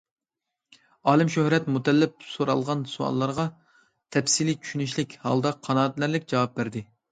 ئالىم شۆھرەت مۇتەللىپ سورالغان سوئاللارغا تەپسىلىي چۈشىنىشلىك ھالدا قانائەتلىنەرلىك جاۋاب بەردى.